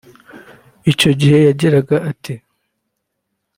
Icyo gihe yagiraga ati